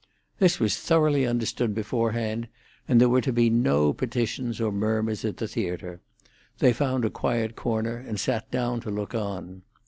This was thoroughly understood beforehand, and there were to be no petitions or murmurs at the theatre. They found a quiet corner, and sat down to look on.